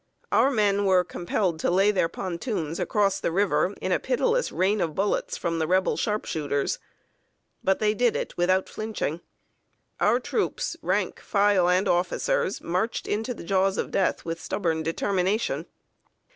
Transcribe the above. Our men were compelled to lay their pontoons across the river in a pitiless rain of bullets from the Rebel sharpshooters. But they did it without flinching. Our troops, rank, file, and officers, marched into the jaws of death with stubborn determination.